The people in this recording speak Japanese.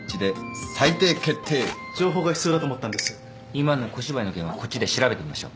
今の小芝居の件はこっちで調べてみましょう。